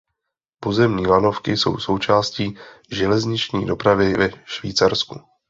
Pozemní lanovky jsou součástí železniční dopravy ve Švýcarsku.